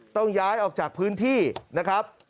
ต้องย้ายออกจากพื้นที่นะครับ